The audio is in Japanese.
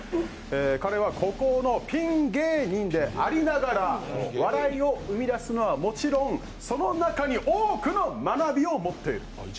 彼は孤高のピン芸人でありながら、笑いを生み出すのはもちろん、その中に多くの学びを持っている。